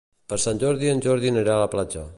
Per Sant Jordi en Jordi anirà a la platja.